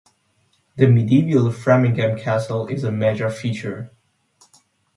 The medieval Framlingham Castle is a major feature.